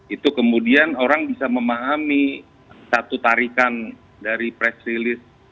itu kemudian orang bisa memahami satu tarikan dari press release